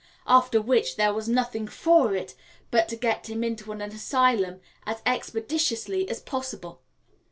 After which there was nothing for it but to get him into an asylum as expeditiously as possible.